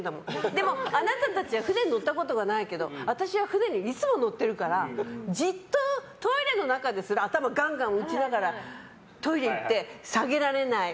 でも、あなたたちは船に乗ったことがないけど私は船にいつも乗ってるからじっと、トイレの中ですりゃ頭ガンガン打ちながらトイレ行って、下げられない